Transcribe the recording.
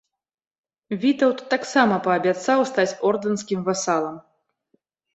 Вітаўт таксама паабяцаў стаць ордэнскім васалам.